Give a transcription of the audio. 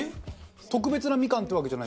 特別なみかんっていうわけじゃ。